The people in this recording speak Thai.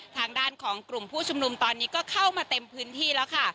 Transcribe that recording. ทางด้านของกลุ่มผู้ชุมนุมตอนนี้ก็เข้ามาเต็มพื้นที่แล้วค่ะ